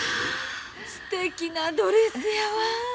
すてきなドレスやわ！